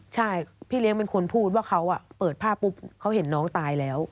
ใช่พี่เลี้ยงเป็นคนพูดว่าเขาเปิดผ้าปุ๊บเขาเห็นน้องตายแล้ว